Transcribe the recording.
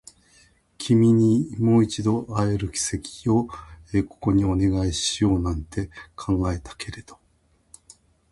君にもう一度出会える奇跡をここにお願いしようなんて考えたけれど